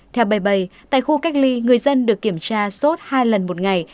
theo bầy bầy tại khu cách ly người dân được kiểm tra sốt hai lần một ngày